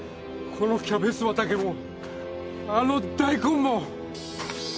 このキャベツ畑もあの大根も！